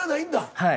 はい。